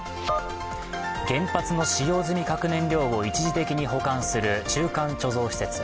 原発の使用済み核燃料を一時的に保管する中間貯蔵施設。